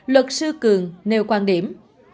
luật sư cường nêu quan điểm